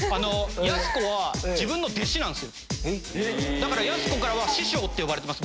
だからやす子からは。って呼ばれてます